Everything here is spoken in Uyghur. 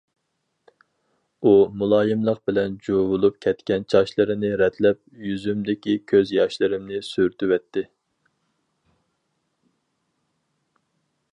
ئۇ مۇلايىملىق بىلەن چۇۋۇلۇپ كەتكەن چاچلىرىمنى رەتلەپ، يۈزۈمدىكى كۆز ياشلىرىمنى سۈرتۈۋەتتى.